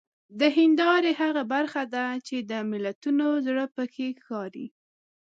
د هیندارې هغه برخه ده چې د ملتونو زړه پکې ښکاري.